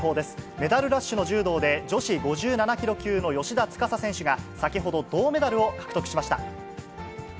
メダルラッシュの柔道で、女子５７キロ級の芳田司選手が先ほど、銅メダルを獲得しました。